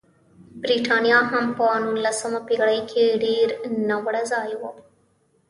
برېټانیا هم په نولسمه پېړۍ کې ډېر ناوړه ځای و.